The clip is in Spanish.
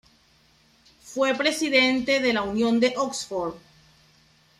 Fue presidente de la Unión de Oxford.